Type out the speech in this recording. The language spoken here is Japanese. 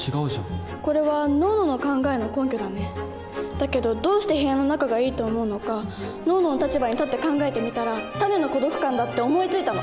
だけどどうして部屋の中がいいと思うのかノーノの立場に立って考えてみたらタネの孤独感だって思いついたの！